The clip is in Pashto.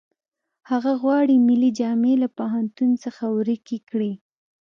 هغه غواړي ملي جامې له پوهنتون څخه ورکې کړي